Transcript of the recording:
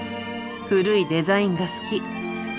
古いデザインが好き。